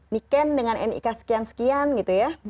niken dengan nik sekian sekian gitu ya